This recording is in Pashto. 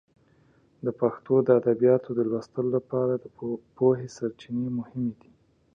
د پښتو د ادبیاتو د لوستلو لپاره د پوهې سرچینې مهمې دي.